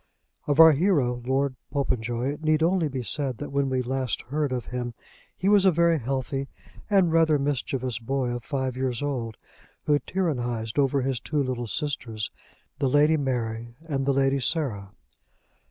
Of our hero, Lord Popenjoy, it need only be said that when we last heard of him he was a very healthy and rather mischievous boy of five years old, who tyrannised over his two little sisters, the Lady Mary and the Lady Sarah.